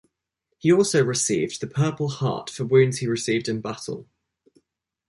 He also received the Purple Heart for wounds he received in battle.